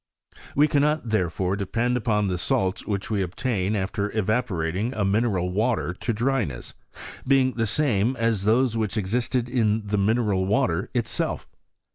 We cannot, therefore, depend upon the salts which we obtain after evaporating a mineral watei; to dryness, being the same as those which existed in the mineral water itself.